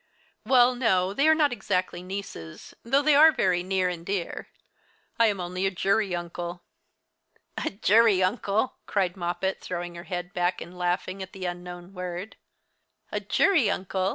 "Well, no, they are not exactly nieces, though they are very near and dear. I am only a jury uncle." "A jury uncle!" cried Moppet, throwing her head back and laughing at the unknown word. "A jury uncle!"